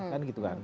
kan gitu kan